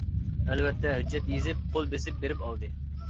ئەلۋەتتە ھۆججەت يېزىپ، قول بېسىپ بېرىپ ئالدى.